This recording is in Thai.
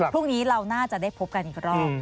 พรุ่งนี้เราน่าจะได้พบกันอีกรอบ